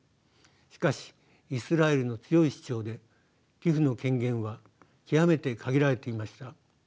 しかしイスラエルの強い主張でＴＩＰＨの権限は極めて限られていました。